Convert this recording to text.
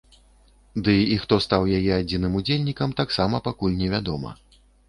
Ды і хто стаў яе адзіным удзельнікам таксама пакуль не вядома.